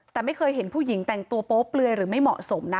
แต่ไม่เคยเห็นผู้หญิงแต่งตัวโป๊เปลือยหรือไม่เหมาะสมนะ